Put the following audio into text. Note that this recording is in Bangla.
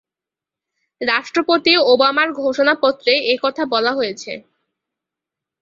রাষ্ট্রপতি ওবামার ঘোষণাপত্রে এ কথা বলা হয়েছে।